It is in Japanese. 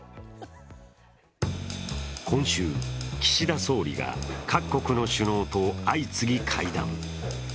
今週、岸田総理が各国の首脳と相次ぎ会談。